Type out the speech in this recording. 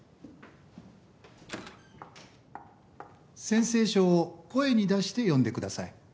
宣誓書を声に出して読んでください。